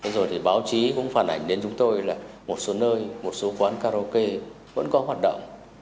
rồi thì báo chí cũng phản ảnh đến chúng tôi là một số nơi một số quán karaoke vẫn có hoạt động